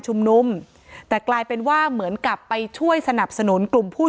แต่กลายเป็นว่าเหมือนกับไปช่วยสนับสนุนกลุ่มผู้